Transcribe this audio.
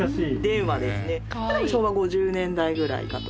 これ昭和５０年代ぐらいかと。